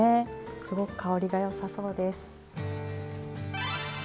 すごく香りがよさそうです。